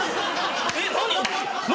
えっ何？